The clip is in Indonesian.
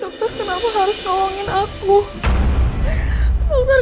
kenzo benci sama papa